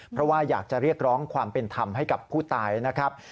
เพราะว่าอยากจะเรียกร้องความเป็นธรรมให้กับผู้ตายนะครับ